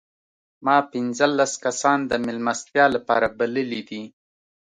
ما پنځلس کسان د مېلمستیا لپاره بللي دي.